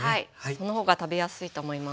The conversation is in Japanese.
その方が食べやすいと思います。